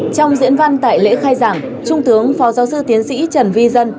trong diễn văn tại lễ khai giảng trung tướng phó giáo sư tiến sĩ trần vi dân